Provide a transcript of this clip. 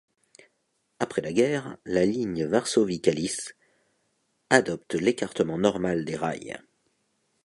Après la guerre, la ligne Varsovie-Kalisz adopte l'écartement normal des rails.